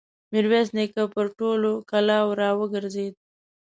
ميرويس نيکه پر ټولو کلاوو را وګرځېد.